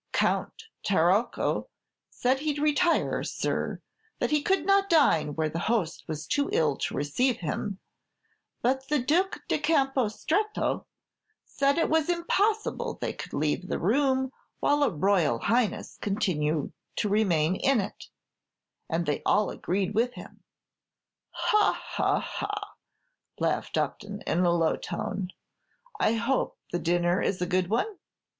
"Count Tarrocco said he'd retire, sir, that he could not dine where the host was too ill to receive him; but the Duc de Campo Stretto said it was impossible they could leave the room while a 'Royal Highness' continued to remain in it; and they all agreed with him." "Ha, ha, ha!" laughed Upton, in a low tone. "I hope the dinner is a good one?"